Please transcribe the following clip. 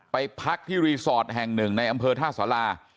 ไปพักที่รีสอร์ทแห่งหนึ่งในอำเภอท่าสารา